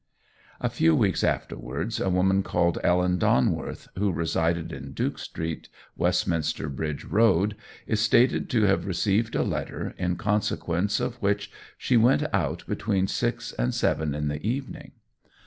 A few weeks afterwards a woman called Ellen Donworth, who resided in Duke Street, Westminster Bridge Road, is stated to have received a letter, in consequence of which she went out between six and seven in the evening.